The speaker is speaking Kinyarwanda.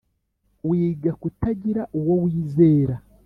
wiga kutagira uwo wizera,